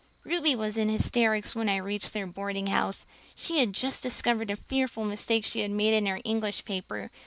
"Ruby was in hysterics when I reached their boardinghouse; she had just discovered a fearful mistake she had made in her English paper.